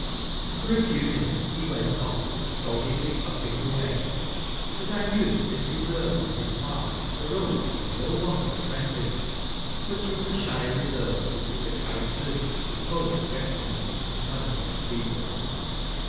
For a few minutes he went on, doggedly puflSng away 5 but I knew that this reserve on his part, arose from no want of friendli¬ ness, but from the shy reserve which is the characteristic of most Westmoreland and Cumbei'land people.